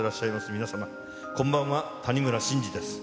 皆様、こんばんは、谷村新司です。